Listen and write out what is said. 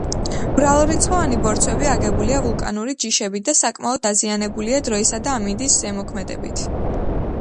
მრავალრიცხოვანი ბორცვები აგებულია ვულკანური ჯიშებით და საკმაოდ დაზიანებულია დროისა და ამინდის ზემოქმედებით.